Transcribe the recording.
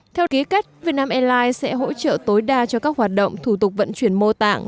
theo ký kết việt nam airlines sẽ hỗ trợ tối đa cho các hoạt động thủ tục vận chuyển mô tạng